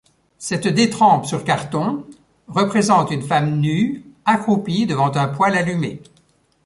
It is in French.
Cette détrempe sur carton représente une femme nue accroupie devant un poêle allumé.